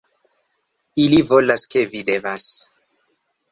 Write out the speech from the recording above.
- Ili volas ke vi devas -